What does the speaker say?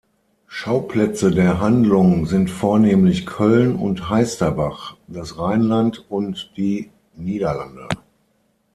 Schauplätze der Handlung sind vornehmlich Köln und Heisterbach, das Rheinland und die Niederlande.